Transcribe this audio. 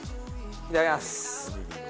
いただきます。